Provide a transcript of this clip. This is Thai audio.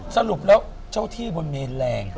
สรุปแล้วเจ้าที่บนเมนแรง